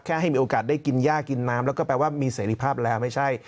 ให้มีโอกาสได้กินย่ากินน้ำแล้วก็แปลว่ามีเสรีภาพแล้วไม่ใช่